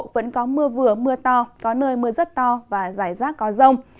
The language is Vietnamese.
vẫn có mưa vừa mưa to có nơi mưa rất to và rải rác có rông